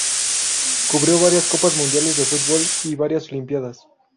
Cubrió varias copas mundiales de fútbol y varias olimpiadas.